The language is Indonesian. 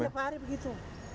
tiap hari begitu